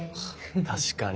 確かに。